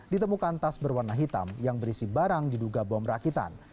ditemukan tas berwarna hitam yang berisi barang diduga bom rakitan